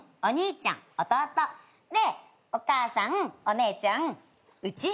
でお母さんお姉ちゃんうち。